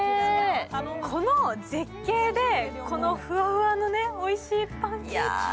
この絶景でこのふわふわのおいしいパンケーキ。